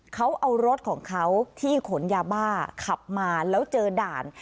เขาเอารถของเขาที่ขนยาบ้าขับมาแล้วเจอด่าน